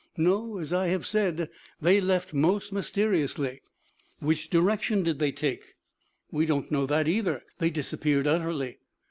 "No. As I have said, they left most mysteriously." "Which direction did they take?" "We do not know that either. They disappeared utterly."